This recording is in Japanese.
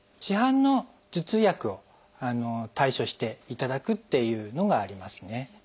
市販の頭痛薬を対処していただくというのがありますね。